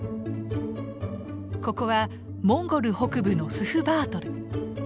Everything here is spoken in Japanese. ここはモンゴル北部のスフバートル。